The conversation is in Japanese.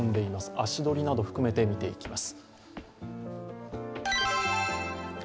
足取りなどを含めて見ていきます。